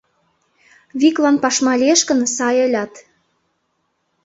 Виклан пашма лиеш гын, сай ылят.